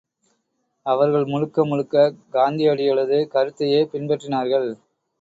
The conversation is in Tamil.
அவர்கள் முழுக்க முழுக்க காந்தியடிகளது கருத்தையே பின்பற்றினார்கள்.